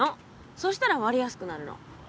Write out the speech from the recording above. そしたら割れやすくなるの。